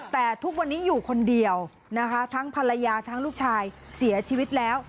แต่ทุกวันนี้อยู่คนเดียวนะคะทั้งภรรยาทั้งลูกชายเสียชีวิตแล้ว